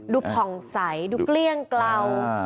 ผ่องใสดูเกลี้ยงเกลา